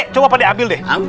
coba pak dek ambil deh